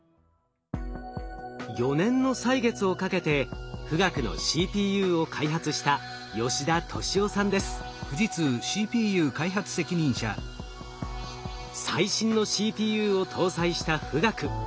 ４年の歳月をかけて富岳のＣＰＵを開発した最新のＣＰＵを搭載した富岳。